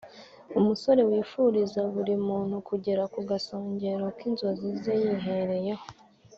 umusore wifuriza buri muntu kugera ku gasongero k'inzozi ze yihereyeho”